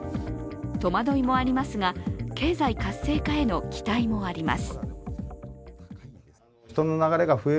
戸惑いもありますが、経済活性化への期待もあります。